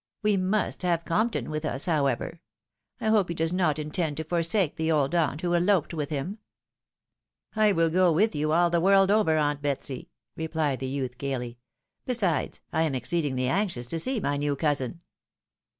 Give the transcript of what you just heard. We must have Compton with us, however. I hope he does not intend to forsake the old aunt who eloped with him ?"" I win go with you all the world over, aunt Betsy !" rephed the youth, gaily. " Besides, I am exceedingly anxious to see my new cousin."